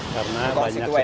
karena banyak sekali ya